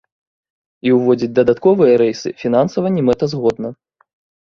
І ўводзіць дадатковыя рэйсы фінансава немэтазгодна.